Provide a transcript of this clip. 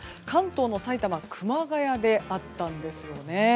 関東のさいたま、熊谷であったんですよね。